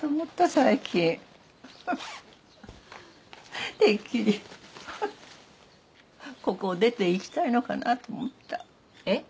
最近てっきりここを出ていきたいのかなと思ったえっ？